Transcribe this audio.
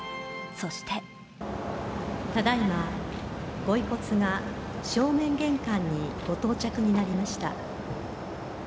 そしてただいま、ご遺骨が正面玄関にご到着になりました。